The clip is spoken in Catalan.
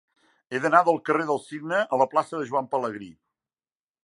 He d'anar del carrer del Cigne a la plaça de Joan Pelegrí.